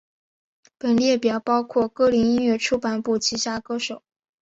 本列表包括歌林音乐出版部旗下歌手。